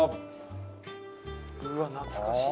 うわ懐かしい。